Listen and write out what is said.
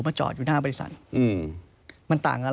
มาจอดอยู่หน้าบริษัน